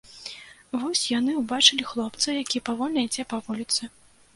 Вось яны ўбачылі хлопца, які павольна ідзе па вуліцы.